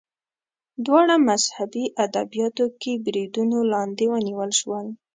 دواړه مذهبي ادبیاتو کې بریدونو لاندې ونیول شول